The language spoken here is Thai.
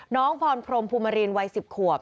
น้องพรพรมภูมิรินวัย๑๐ขวบ